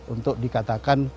untuk dikatakan kabupaten merowok